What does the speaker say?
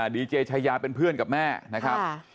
ดีเจชายาเป็นเพื่อนกับแม่นะครับ